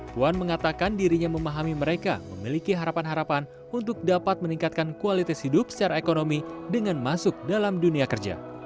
puan mengatakan dirinya memahami mereka memiliki harapan harapan untuk dapat meningkatkan kualitas hidup secara ekonomi dengan masuk dalam dunia kerja